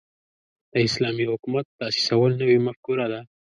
د اسلامي حکومت تاسیسول نوې مفکوره ده.